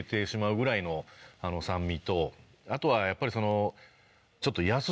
あとはやっぱり。